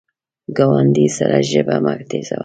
ګاونډي سره ژبه مه تیزوه